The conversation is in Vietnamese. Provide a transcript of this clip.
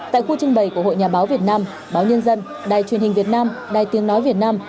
tại khu trưng bày của hội nhà báo việt nam báo nhân dân đài truyền hình việt nam đài tiếng nói việt nam